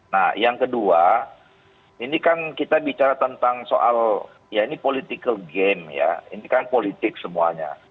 nah yang kedua ini kan kita bicara tentang soal ya ini political game ya ini kan politik semuanya